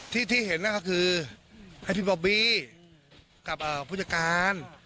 ที่เห็นนั่นก็คือให้พี่บอบบี้กับผู้จัดการ